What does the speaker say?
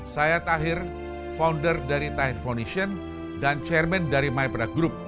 saya tahir founder dari tahir foundation dan chairman dari mypera group